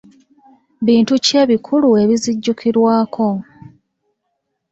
Bintu ki ebikulu ebizijjukirwako?